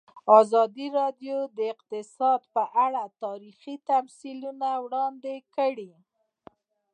ازادي راډیو د اقتصاد په اړه تاریخي تمثیلونه وړاندې کړي.